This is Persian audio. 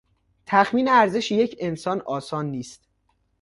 تخمین ارزش یک انسان آسان نیست.